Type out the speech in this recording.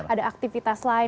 ada aktivitas lain